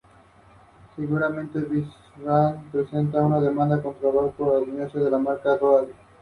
Planta escasa y de distribución marginal, comportándose como maleza principalmente a orilla de caminos.